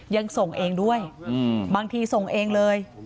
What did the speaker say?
ยังส่งเองด้วยบางทีส่งเองเลย